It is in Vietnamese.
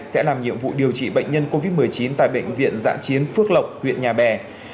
sẽ làm nhiệm vụ điều trị bệnh nhân covid một mươi chín tại bệnh viện giã chiến phước lộc huyện nhà bè